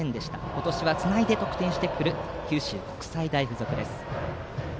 今年はつないでくる九州国際大付属です。